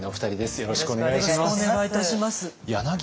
よろしくお願いします。